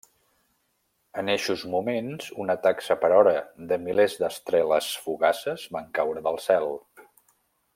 En eixos moments, una taxa per hora de milers d'estreles fugaces van caure del cel.